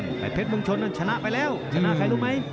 แรกเพชรมึงชนชนะไปแล้วชนะใครรู้มั้ย